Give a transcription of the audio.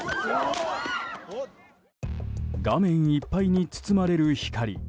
画面いっぱいに包まれる光。